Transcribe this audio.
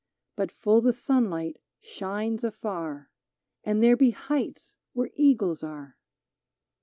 But full the sunlight shines afar — And there be heights where eagles are.